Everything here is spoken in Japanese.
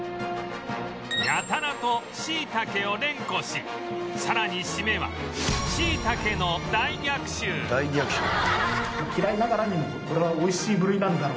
やたらと「しいたけ」を連呼しさらに締めは「しいたけの大逆襲」ホントにもう。